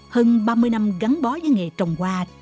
hơn ba mươi năm gắn bó với nghề trồng hoa